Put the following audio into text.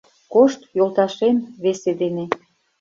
Кошт, йолташем, весе дене